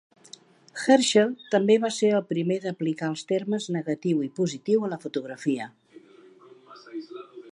Herschel també va ser el primer d'aplicar els termes "negatiu" i "positiu" a la fotografia.